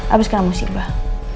abis kena musibah